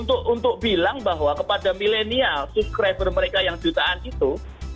untuk bilang bahwa kepada milenial subscriber mereka yang jutaan itu